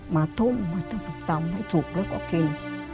มาทุ่มมาต้มต้มไม่ถูกแล้วก็กิน